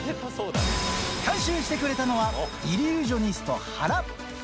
監修してくれたのはイリュージョニスト、ハラ。